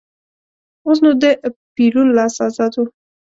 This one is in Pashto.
اوس نو د پېرون لاس ازاد و.